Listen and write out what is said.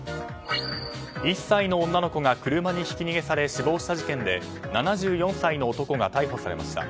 １歳の女の子が車にひき逃げされ死亡した事件で７４歳の男が逮捕されました。